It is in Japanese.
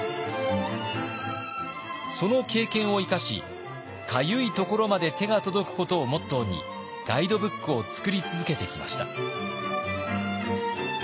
その経験を生かしかゆいところまで手が届くことをモットーにガイドブックを作り続けてきました。